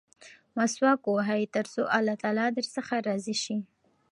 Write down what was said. مسواک ووهئ ترڅو الله تعالی درڅخه راضي شي.